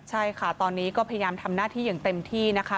ใช่ค่ะตอนนี้ก็พยายามทำหน้าที่อย่างเต็มที่นะคะ